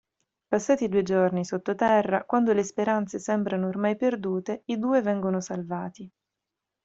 Passati due giorni sottoterra, quando le speranze sembrano ormai perdute, i due vengono salvati.